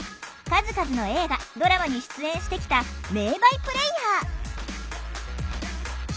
数々の映画ドラマに出演してきた名バイプレーヤー。